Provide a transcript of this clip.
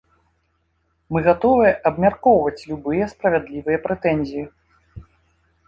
Мы гатовыя абмяркоўваць любыя справядлівыя прэтэнзіі.